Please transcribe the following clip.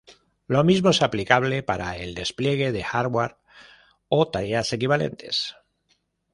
Lo mismo es aplicable para el despliegue de "hardware" o tareas equivalentes.